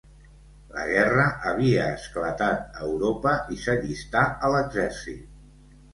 La guerra havia esclatat a Europa i s'allistà a l'exèrcit.